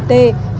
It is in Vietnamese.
ừ thế ạ